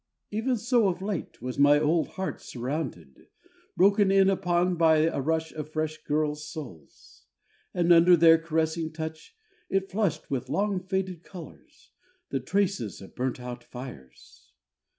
Even so of late was my old heart surrounded, broken in upon by a rush of fresh girls' souls ... and under their caressing touch it flushed with long faded colours, the traces of burnt out fires